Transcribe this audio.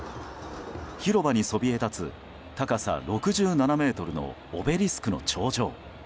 広場にそびえ立つ高さ６７ｍのオベリスクの頂上。